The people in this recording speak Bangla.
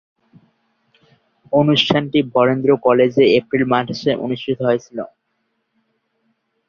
অনুষ্ঠানটি বরেন্দ্র কলেজে এপ্রিল মাসে অনুষ্ঠিত হয়েছিলো।